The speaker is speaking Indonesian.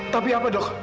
tapi apa dok